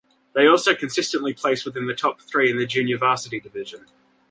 They also consistently place within the top three in the Junior Varsity division.